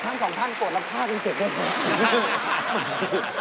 ท่านสองท่านโกรธรับภาพกันเสร็จด้วยนะ